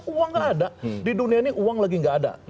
uang nggak ada di dunia ini uang lagi nggak ada